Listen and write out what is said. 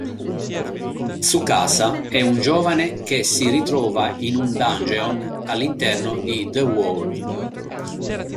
Tsukasa è un giovane che si ritrova in un dungeon all'interno di "The World".